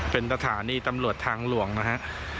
เป็นสถานีตำรวจทางหลวงนะฮะ